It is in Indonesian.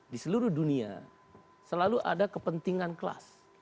di seluruh dunia selalu ada kepentingan kelas